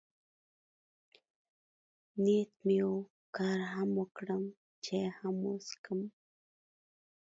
نیت مې و، کار هم وکړم، چای هم وڅښم.